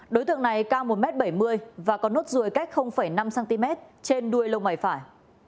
đối tượng này cao một m bảy mươi và có nốt ruồi cách năm cm trên đuôi lông mày phải